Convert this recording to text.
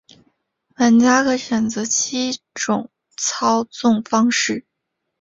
玩家可选择七种操纵方式。